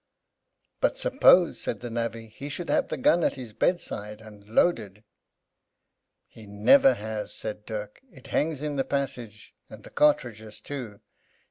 "But suppose," said the navvy, "he should have the gun at his bedside, and loaded!" "He never has," said Dirk; "it hangs in the passage, and the cartridges too.